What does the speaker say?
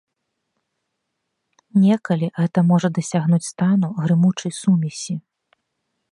Некалі гэта можа дасягнуць стану грымучай сумесі.